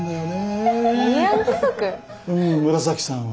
うん紫さんは。